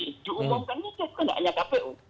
diumumkan itu kan tidak hanya kpu